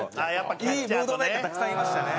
いいムードメーカーたくさんいましたね。